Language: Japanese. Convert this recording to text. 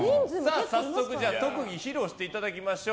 早速特技披露していただきましょう。